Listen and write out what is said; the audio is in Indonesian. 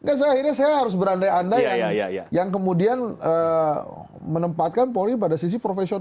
kan saya akhirnya saya harus berandai andai yang kemudian menempatkan polri pada sisi profesional